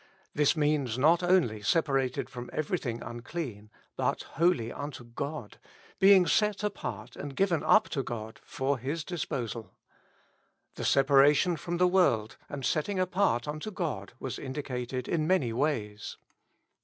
This means not only separated from everything unclean, but holy unto God, being set apart and given up to God for His disposal. The separation from the world and setting apart unto God was indicated in many ways.